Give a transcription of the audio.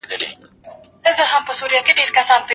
شدید فشار لنډمهاله وي.